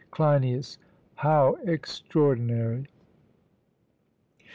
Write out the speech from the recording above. CLEINIAS: How extraordinary!